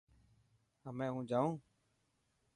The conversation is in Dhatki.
همي هون جائون.